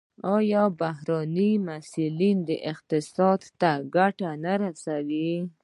آیا بهرني محصلین اقتصاد ته ګټه نه رسوي؟